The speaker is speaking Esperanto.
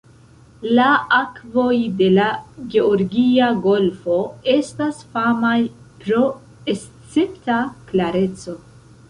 La akvoj de la Georgia Golfo estas famaj pro escepta klareco.